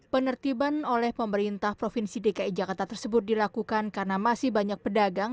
penertiban oleh pemerintah provinsi dki jakarta tersebut dilakukan karena masih banyak pedagang